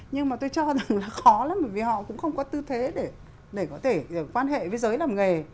nhưng mà tôi cho rằng là khó lắm bởi vì họ cũng không có tư thế để có thể quan hệ với giới làm nghề